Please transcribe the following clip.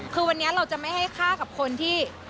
คือวันนี้เราจะไม่ให้ฆ่ากับคนที่